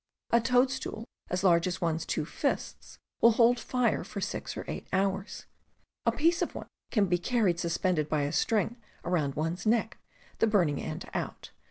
A toadstool as large as one's two fists will hold fire for six or eight hours. A piece of one can be carried suspended by a string around one's neck, the burning end out.